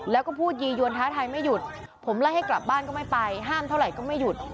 แล้วก็พูดยียวนท้าทายไม่หยุดผมไล่ให้กลับบ้านก็ไม่ไปห้ามเท่าไหร่ก็ไม่หยุด